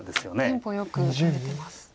テンポよく打たれてます。